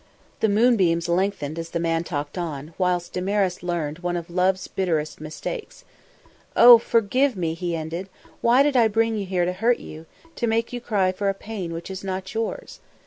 The moonbeams lengthened as the man talked on, whilst Damaris learned of one of love's bitterest mistakes. "Oh, forgive me!" he ended. "Why did I bring you here to hurt you, to make you cry for a pain which is not yours?